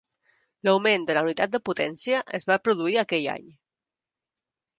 L'augment de la unitat de potència es va produir aquell any.